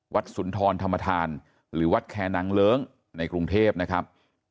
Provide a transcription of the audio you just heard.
สุนทรธรรมธานหรือวัดแคนางเลิ้งในกรุงเทพนะครับ